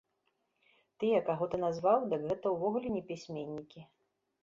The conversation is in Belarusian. Тыя, каго ты назваў, дык гэта ўвогуле не пісьменнікі.